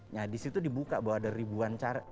nah disitu dibuka bahwa ada ribuan cara